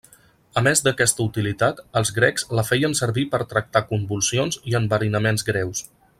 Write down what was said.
A més d'aquesta utilitat els grecs la feien servir per tractar convulsions i enverinaments greus.